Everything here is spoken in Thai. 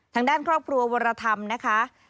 ทางด้านครอบครัววรธรรมนะคะ